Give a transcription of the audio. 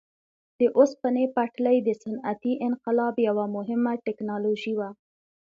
د اوسپنې پټلۍ د صنعتي انقلاب یوه مهمه ټکنالوژي وه.